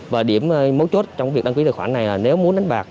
và điểm mấu chốt trong việc đăng ký tài khoản này là nếu muốn đánh bạc